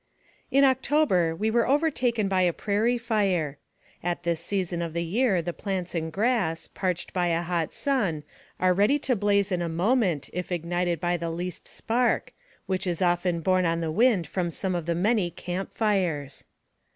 IN October, we were overtaken by a prairie fire. At this season of the year the plants and grass, parched by a hot sun, are ready to blaze in a moment if ignited by the least spark, which is often borne OD x he wind from some of the many camp fires.